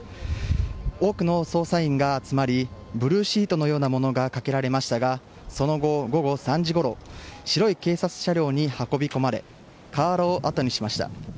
多くの捜査員が集まりブルーシートのようなものがかけられましたがその後、午後３時ごろ白い警察車両に運び込まれ河原をあとにしました。